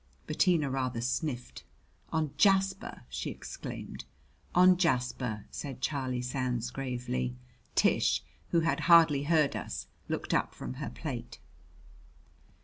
Bettina rather sniffed. "On Jasper!" she exclaimed. "On Jasper," said Charlie Sands gravely. Tish, who had hardly heard us, looked up from her plate.